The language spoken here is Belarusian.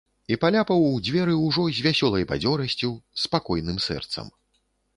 І паляпаў у дзверы ўжо з вясёлай бадзёрасцю, з спакойным сэрцам.